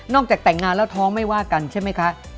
จากแต่งงานแล้วท้องไม่ว่ากันใช่ไหมคะ